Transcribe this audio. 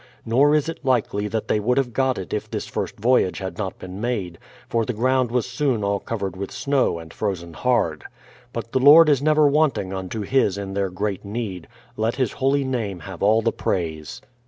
Nor is it likely that they would have got it if this first voyage had not been made, for the ground was soon all covered with snow and frozen hard. But the Lord is never wanting unto His in their great need; let His holy name have all the praise.